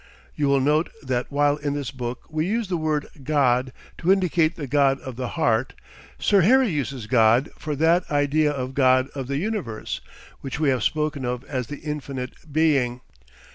You will note that while in this book we use the word "God" to indicate the God of the Heart, Sir Harry uses "God" for that idea of God of the Universe, which we have spoken of as the Infinite Being.